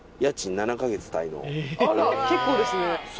あら結構ですね。